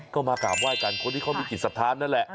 ก็มากราบไห้กันคนที่เขามีจิตศรัทธานั่นแหละ